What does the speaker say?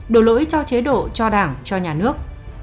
đổi lỗi cho chế độ cho đảng cho nhà nước